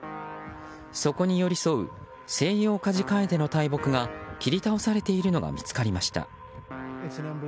そこに寄り添うセイヨウカジカエデの大木が切り倒されているのが見つかりました。